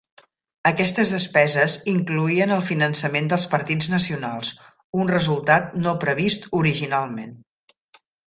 Aquestes despeses incloïen el finançament dels partits nacionals, un resultat no previst originalment.